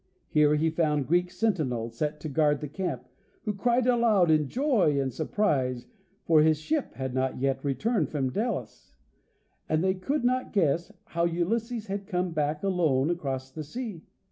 Here he found Greek sentinels set to guard the camp, who cried aloud in joy and surprise, for his ship had not yet returned from Delos, and they could not guess how Ulysses had come back alone across the sea.